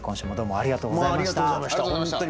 ありがとうございました本当に。